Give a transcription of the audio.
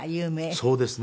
そうですね。